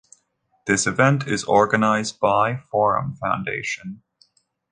This event is organized by Forum Foundation.